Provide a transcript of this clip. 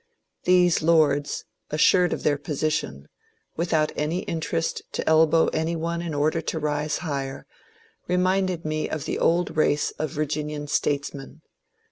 These lords, assured of their position, without any interest to elbow any one in order to rise higher, reminded me of the old race of Virginian statesmen.